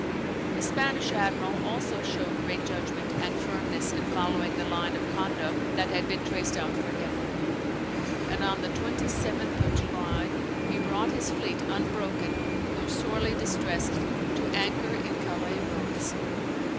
The Spanish admiral also showed great judgment and firmness in following the line of conduct that had been traced out for him; and on the 27th of July he brought his fleet unbroken, though sorely distressed, to anchor in Calais roads.